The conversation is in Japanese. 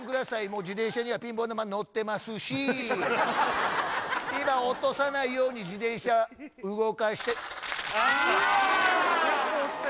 もう自転車にはピンポン球のってますし今落とさないように自転車動かしてあーっ！